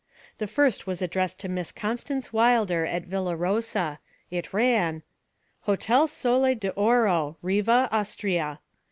The first was addressed to Miss Constance Wilder at Villa Rosa. It ran 'HOTEL SOLE D'ORO, 'RIVA, AUSTRIA.